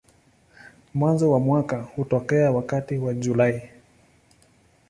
Mwanzo wa mwaka hutokea wakati wa Julai.